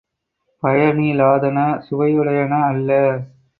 பயனிலாதன சுவையுடையன அல்ல.